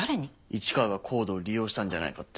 市川がＣＯＤＥを利用したんじゃないかって。